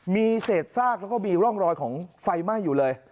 มีเศษซากแล้วก็มีร่องรอยของไฟไหม้อยู่เลย